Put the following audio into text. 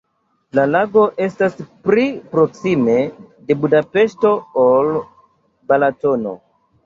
La lago estas pli proksime de Budapeŝto, ol Balatono.